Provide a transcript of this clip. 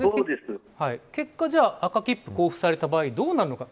結果、赤切符が交付された場合どうなるのか。